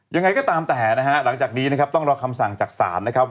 ยังไงก็ตามแต่นะฮะหลังจากนี้นะครับต้องรอคำสั่งจากศาลนะครับ